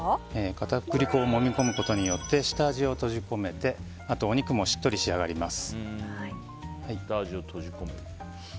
片栗粉をもみ込むことによって下味を閉じ込めてあとお肉もしっとり仕上がります。